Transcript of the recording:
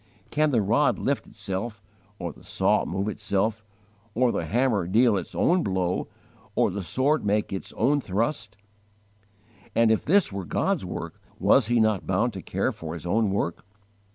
Can the rod lift itself, or the saw move itself, or the hammer deal its own blow, or the sword make its own thrust? And if this were God's work, was He not bound to care for His own work?